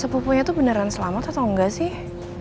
sepupunya itu beneran selamat atau enggak sih